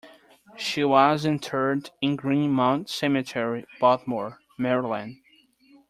She was interred in Green Mount Cemetery, Baltimore, Maryland.